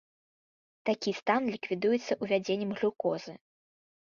Такі стан ліквідуецца увядзеннем глюкозы.